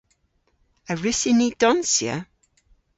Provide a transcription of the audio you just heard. A wrussyn ni donsya?